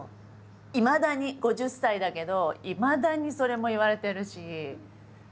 いまだに５０歳だけどいまだにそれも言われてるし。